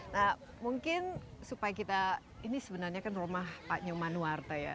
nah mungkin supaya kita ini sebenarnya kan rumah pak nyoman nuwarta ya